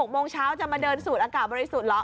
โมงเช้าจะมาเดินสูดอากาศบริสุทธิ์เหรอ